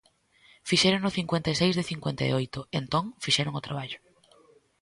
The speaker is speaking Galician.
Fixérono cincuenta e seis de cincuenta e oito; entón, fixeron o traballo.